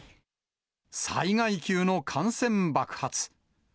災害級の感染爆発。